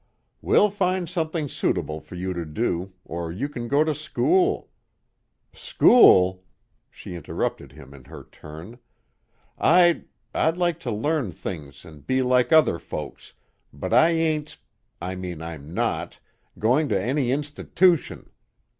"We'll find something suitable for you to do, or you can go to school " "School!" she interrupted him in her turn. "I I'd like to learn things an' be like other folks, but I ain't I mean I'm not goin' to any institootion."